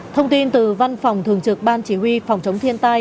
thông tin từ văn phòng thường trực ban chỉ huy phòng chống thiên tai